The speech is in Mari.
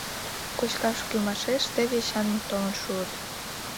Кочкаш кӱмашеш теве Эчанмыт толын шуыт.